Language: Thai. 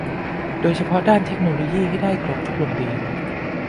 โดยเฉพาะด้านเทคโนโลยีให้ได้ครบทุกโรงเรียน